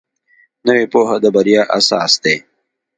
نوې پوهه د بریا اساس دی